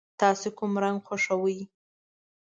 تاسو کوم رنګ خوښوئ؟